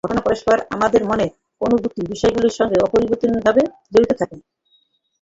ঘটনাপরম্পরা আমাদের মনে অনুভূত বিষয়গুলির সঙ্গে অপরিবর্তনীয়ভাবে জড়িত থাকে।